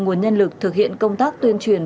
nguồn nhân lực thực hiện công tác tuyên truyền